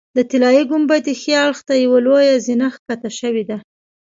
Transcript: د طلایي ګنبدې ښي اړخ ته یوه لویه زینه ښکته شوې ده.